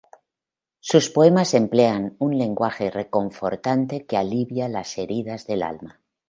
Sus poemas emplean un lenguaje reconfortante que alivia las heridas del alma.